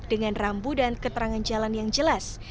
dengan rambu dan keterangan jalan yang jelas